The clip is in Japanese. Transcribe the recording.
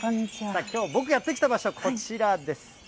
さあ、きょう、僕やって来た場所、こちらです。